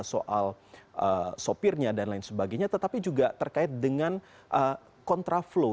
soal sopirnya dan lain sebagainya tetapi juga terkait dengan kontraflow